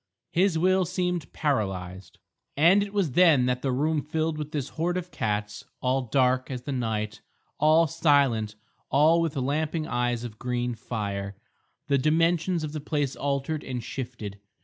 His will seemed paralysed. And it was then that the room filled with this horde of cats, all dark as the night, all silent, all with lamping eyes of green fire. The dimensions of the place altered and shifted.